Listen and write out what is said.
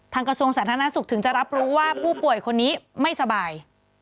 กระทรวงสาธารณสุขถึงจะรับรู้ว่าผู้ป่วยคนนี้ไม่สบาย